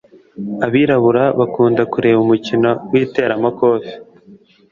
Abirabura bakunda kureba umukino witera makofe